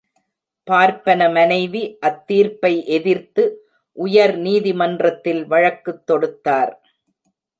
பார்ப்பன மனைவி அத்தீர்ப்பை எதிர்த்து, உயர் நீதிமன்றத்தில் வழக்குத் தொடுத்தார்.